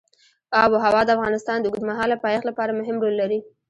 آب وهوا د افغانستان د اوږدمهاله پایښت لپاره مهم رول لري.